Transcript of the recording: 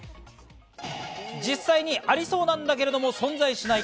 実際にありそうなんだけれども存在しない